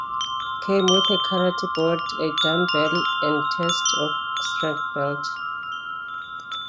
Came with a karate board, a dumbbell and test of strength belt.